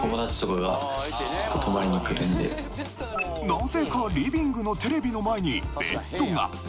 なぜかリビングのテレビの前にベッドが。